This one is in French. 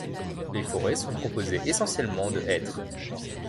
Les forêts sont composées essentiellement de hêtres.